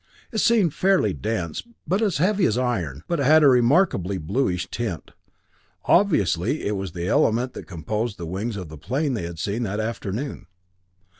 It seemed fairly dense, about as heavy as iron, but it had a remarkably bluish tint. Obviously, it was the element that composed the wings of the airplane they had seen that afternoon.